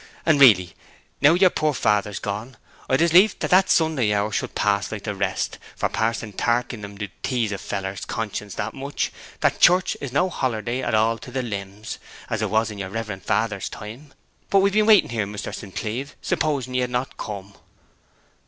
And really, now yer poor father's gone, I'd as lief that that Sunday hour should pass like the rest; for Pa'son Tarkenham do tease a feller's conscience that much, that church is no hollerday at all to the limbs, as it was in yer reverent father's time! But we've been waiting here, Mr. San Cleeve, supposing ye had not come.'